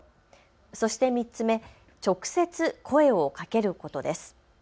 そして３つ目、直接、声をかけることです。